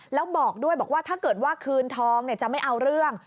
แล้วบอกด้วยบอกว่าถ้าเกิดว่าคืนทองจะไม่เอาเรื่อง